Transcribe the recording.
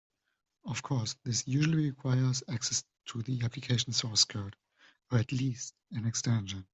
Of course, this usually requires access to the application source code (or at least an extension).